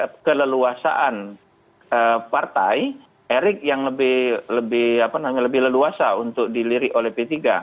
tapi dari segi keleluasaan partai erick yang lebih leluasa untuk dilirik oleh p tiga